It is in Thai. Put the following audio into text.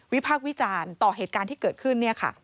พากษ์วิจารณ์ต่อเหตุการณ์ที่เกิดขึ้น